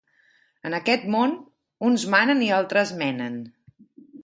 En aquest món, uns manen i altres menen.